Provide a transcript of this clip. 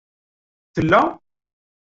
Tella?